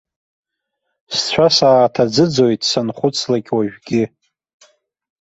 Сцәа сааҭаӡыӡоит санхәыцлак уажәгьы.